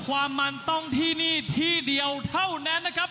ความมันต้องที่นี่ที่เดียวเท่านั้นนะครับ